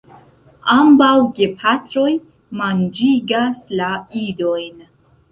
Ambaŭ gepatroj manĝigas la idojn.